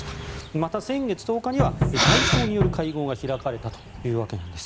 また、先月１０日には外相による会合が開かれたということです。